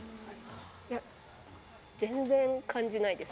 いや、全然感じないです。